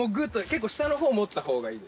結構下の方持った方がいいです。